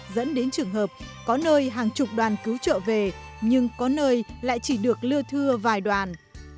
dẫn đến trường hợp có nơi hàng chục đoàn cứu trợ về nhưng có nơi lại chỉ được lưa thưa vài đoàn